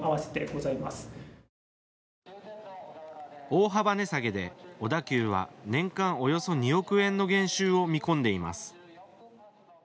大幅値下げで小田急は年間およそ２億円の減収を見込んでいます。